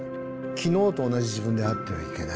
昨日と同じ自分であってはいけない。